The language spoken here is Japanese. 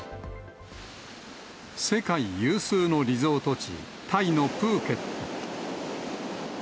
世界有数のリゾート地、タイのプーケット。